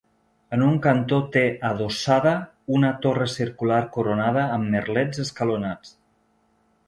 En un cantó té adossada una torre circular coronada amb merlets escalonats.